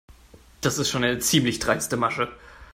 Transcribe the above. Das ist schon eine ziemlich dreiste Masche.